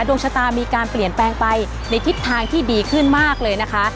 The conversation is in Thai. ดวงชะตามีการเปลี่ยนแปลงไปในทิศทางที่ดีขึ้นมากเลยนะคะ